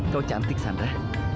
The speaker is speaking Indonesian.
kau cantik sandra